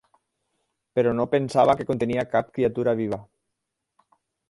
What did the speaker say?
Però no pensava que contenia cap criatura viva.